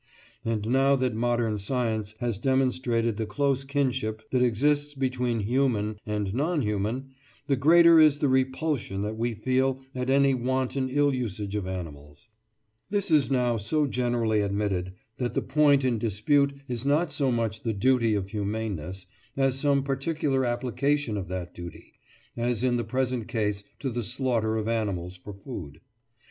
And now that modern science has demonstrated the close kinship that exists between human and non human, the greater is the repulsion that we feel at any wanton ill usage of animals. Footnote 11: Wollaston, "Religion of Nature," 1759. This is now so generally admitted that the point in dispute is not so much the duty of humaneness, as some particular application of that duty, as in the present case to the slaughter of animals for food.